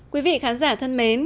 quý vị khán giả thân mến